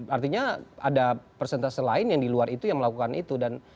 artinya ada persentase lain yang di luar itu yang melakukan itu